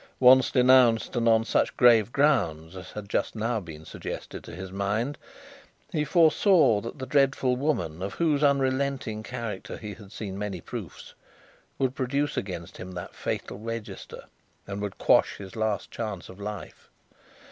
Once denounced, and on such grave grounds as had just now been suggested to his mind, he foresaw that the dreadful woman of whose unrelenting character he had seen many proofs, would produce against him that fatal register, and would quash his last chance of life.